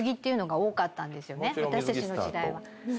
私たちの時代は。